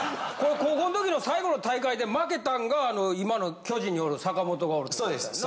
高校の時の最後の大会で負けたんが今の巨人におる坂本がおるみたいやな。